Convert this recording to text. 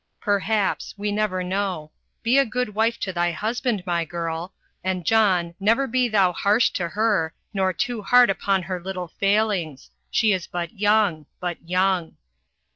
"Perhaps. We never know. Be a good wife to thy husband, my girl. And John, never be thou harsh to her, nor too hard upon her little failings. She is but young but young."